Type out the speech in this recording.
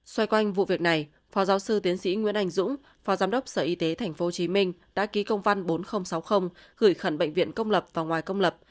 xoay quanh vụ việc này phó giáo sư tiến sĩ nguyễn anh dũng phó giám đốc sở y tế tp hcm đã ký công văn bốn nghìn sáu mươi gửi khẩn bệnh viện công lập và ngoài công lập